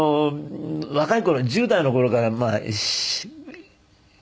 若い頃１０代の頃から４５年